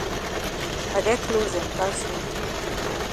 I get closs dem pass you.